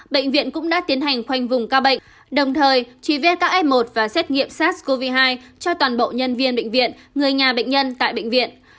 bệnh viện cũng đã tiến hành khoanh vùng ca bệnh đồng thời truy vết các f một và xét nghiệm sars cov hai cho toàn bộ nhân viên bệnh viện người nhà bệnh nhân tại bệnh viện